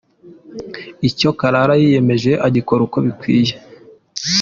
Icyo Karara yiyemeje agikora uko bikwiye.